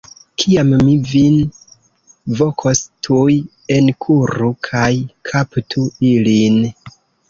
Kiam mi vin vokos, tuj enkuru kaj kaptu ilin.